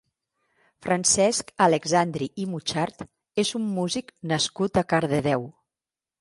Francesc Alexandri i Muchart és un músic nascut a Cardedeu.